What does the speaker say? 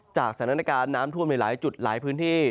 สถานการณ์น้ำท่วมในหลายจุดหลายพื้นที่